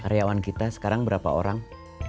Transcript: karyawan kita sekarang berapa orang